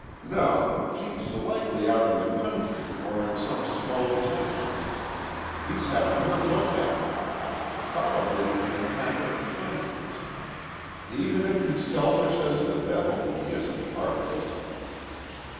"No. She's likely out in the country or in some small town. He's havin' her looked after. Probably an attack of conscience. Even if he's selfish as the devil, he isn't heartless."